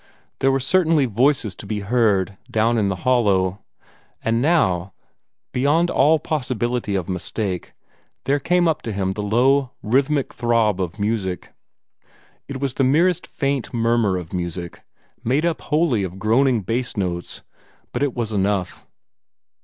there were certainly voices to be heard, down in the hollow. And now, beyond all possibility of mistake, there came up to him the low, rhythmic throb of music. It was the merest faint murmur of music, made up almost wholly of groaning bass notes, but it was enough.